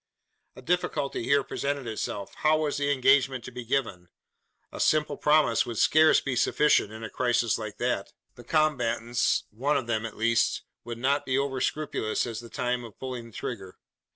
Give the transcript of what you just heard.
A difficulty here presented itself. How was the engagement to be given? A simple promise would scarce be sufficient in a crisis like that? The combatants one of them at least would not be over scrupulous as to the time of pulling trigger.